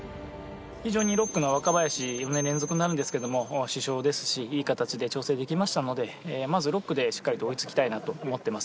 ６区の若林、４年連続ですけど主将ですし、いい形で調整できましたので、まず６区でしっかり追いつきたいなと思っています。